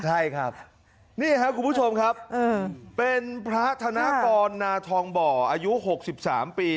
ใช่ครับนี่ครับคุณผู้ชมครับเป็นพระธนกรนาทองบ่ออายุ๖๓ปี